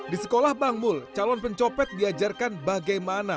di sekolah bang mul calon pencopet diajarkan bagaimana